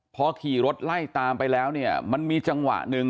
พอขี่รถไล่ตามไปแล้วเนี่ยมันมีจังหวะหนึ่ง